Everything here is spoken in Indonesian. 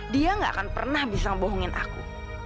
dia gak akan pernah bisa membohongin aku